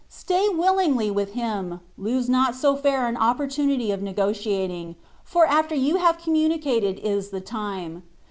Stay willingly with Him : lose not so fair an opportunity of negotiating^ for after you have conmmnicated is the time.